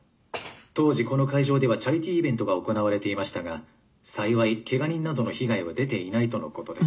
当時この会場ではチャリティーイベントが行われていましたが幸いケガ人などの被害は出ていないとのことです。